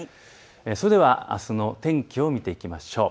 それではあすの天気を見ていきましょう。